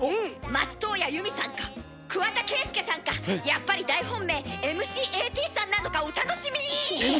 松任谷由実さんか桑田佳祐さんかやっぱり大本命ｍ．ｃ．Ａ・Ｔさんなのかお楽しみに！